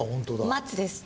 松です。